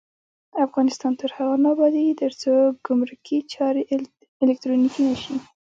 افغانستان تر هغو نه ابادیږي، ترڅو ګمرکي چارې الکترونیکي نشي.